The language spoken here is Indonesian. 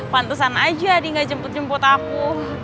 pantusan aja adi gak jemput jemput aku